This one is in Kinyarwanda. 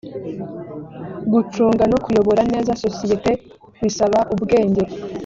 gucunga no kuyobora neza sosiyete bisaba ubwenjye